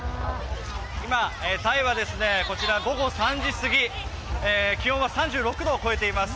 今、タイはこちら午後３時すぎ気温は３６度を超えています。